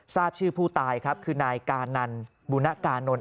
ทราบชื่อผู้ตายครับคือนายกานันบุณกานนท